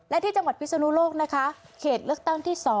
และที่จังหวัดพิศนุโลกนะคะเขตเลือกตั้งที่๒